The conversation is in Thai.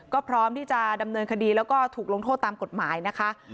ก็พร้อมที่จะดำเนินคดีแล้วก็ถูกลงโทษตามกฎหมายนะคะ